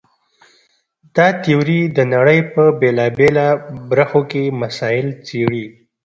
دا تیوري د نړۍ په بېلابېلو برخو کې مسایل څېړي.